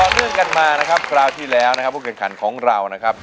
เรื่องกันมานะครับคราวที่แล้วนะครับผู้แข่งขันของเรานะครับ